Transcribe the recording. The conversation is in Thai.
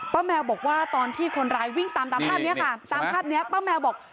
แมวบอกว่าตอนที่คนร้ายวิ่งตามตามภาพนี้ค่ะตามภาพนี้ป้าแมวบอก